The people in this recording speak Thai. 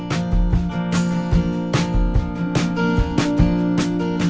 ที่แบบให้พร้อมมาได้ให้คนดู